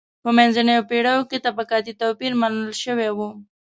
په منځنیو پېړیو کې طبقاتي توپیر منل شوی و.